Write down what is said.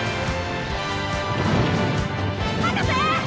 博士！